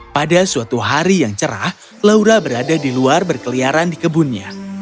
pada suatu hari yang cerah laura berada di luar berkeliaran di kebunnya